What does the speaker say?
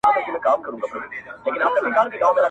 زه به وکړم په مخلوق داسي کارونه!!